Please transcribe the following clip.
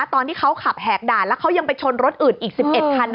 ตอนที่เขาขับแหกด่านแล้วเขายังไปชนรถอื่นอีก๑๑คัน